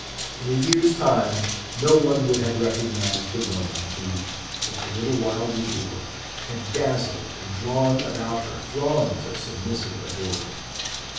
In a year's time no one would have recognised the woman who, such a little while before, had dazzled and drawn about her throngs of submissive adorers.